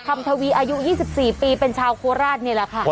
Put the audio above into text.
คำทวีอายุยี่สิบสี่ปีเป็นชาวครัดเนี่ยแหละค่ะ